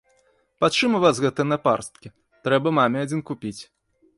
Пачым у вас гэтыя напарсткі, трэба маме адзін купіць?